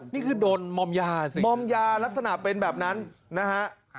นี่คือโดนมอมยาสิมอมยาลักษณะเป็นแบบนั้นนะฮะ